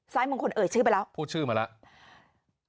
มงคลเอ่ยชื่อไปแล้วพูดชื่อมาแล้ว